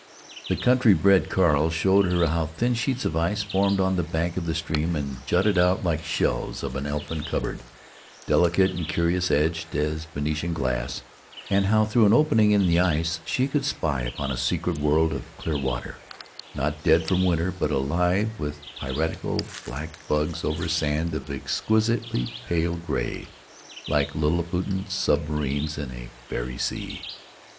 The country bred Carl showed her how thin sheets of ice formed on the bank of the stream and jutted out like shelves in an elfin cupboard, delicate and curious edged as Venetian glass; and how, through an opening in the ice, she could spy upon a secret world of clear water, not dead from winter, but alive with piratical black bugs over sand of exquisitely pale gray, like Lilliputian submarines in a fairy sea.